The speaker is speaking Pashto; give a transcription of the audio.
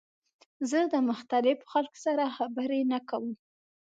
زه د مختلفو خلکو سره خبرې نه کوم.